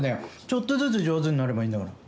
ちょっとずつ上手になればいいんだから。